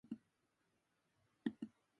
ewfegqrgq